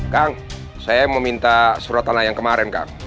kang saya mau minta surat tanah yang kemarin kang